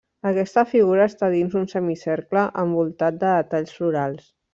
Aquesta figura està dins un semicercle envoltat de detalls florals.